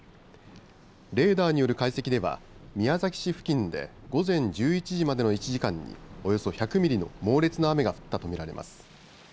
レーダーによる解析では宮崎市付近で午前１１時までの１時間におよそ１００ミリの猛烈な雨が降ったと見られます。